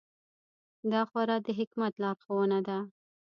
دا خورا د حکمت لارښوونه ده.